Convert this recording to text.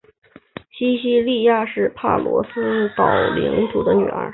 西西莉亚是帕罗斯岛领主的女儿。